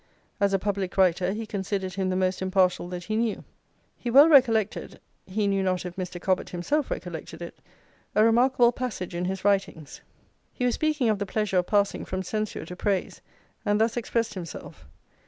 As a public writer, he considered him the most impartial that he knew. He well recollected he knew not if Mr. Cobbett himself recollected it a remarkable passage in his writings: he was speaking of the pleasure of passing from censure to praise, and thus expressed himself.